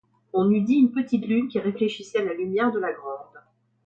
On eût dit une petite Lune qui réfléchissait la lumière de la grande.